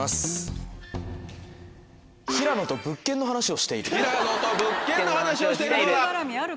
「平野と物件の話をしている」